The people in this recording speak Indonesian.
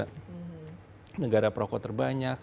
tidak ada perokok terbanyak